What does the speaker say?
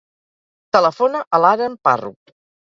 Telefona a l'Aren Parro.